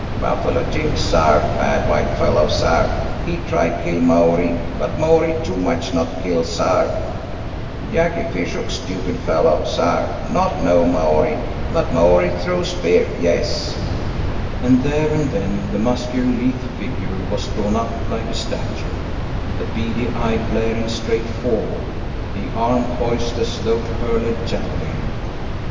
"Buff'lo Jim, sar, bad white fellow, sar he try kill Maori, but Maori too much not kill, sar. Jacky Fishook stupid fellow, sar not know Maori but Maori throw spear yes." And there and then the muscular lithe figure was drawn up like a statue; the beady eye glaring straight forward, the arm poised as though to hurl a javelin.